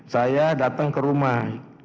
saya datang ke rumah